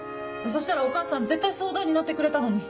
そしたらお母さん絶対相談に乗ってくれたのに。